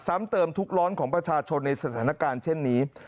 ซ้ำเติมทุกร้อนของประชาชนในสถานการณ์เช่นนี้